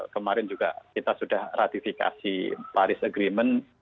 kemarin juga kita sudah ratifikasi paris agreement